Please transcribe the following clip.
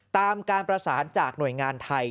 ตามการประสานจากหน่วยงานไทย